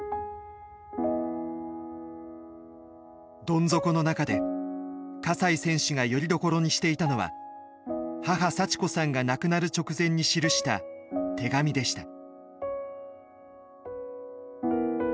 どん底の中で西選手がよりどころにしていたのは母幸子さんが亡くなる直前に記した手紙でした。